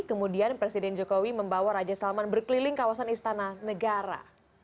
kemudian presiden jokowi membawa raja salman berkeliling kawasan istana negara